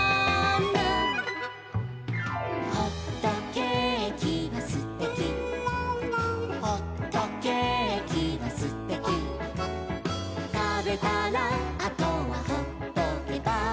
「ほっとけーきはすてき」「ほっとけーきはすてき」「たべたらあとはほっとけば」